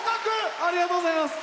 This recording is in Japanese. ありがとうございます！